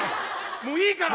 もういいから！